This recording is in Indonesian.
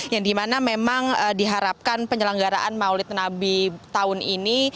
yang dimana memang diharapkan penyelenggaraan maulid nabi tahun ini